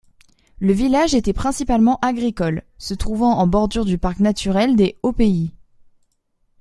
Le village était principalement agricole, se trouvant en bordure du Parc Naturel des Hauts-Pays.